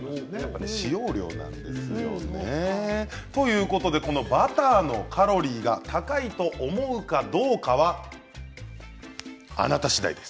使用量なんですよね。ということでバターのカロリーが高いと思うかどうかはあなたしだいです。